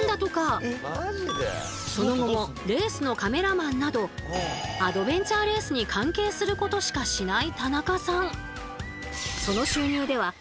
その後もレースのカメラマンなどアドベンチャーレースに関係することしかしない田中さん。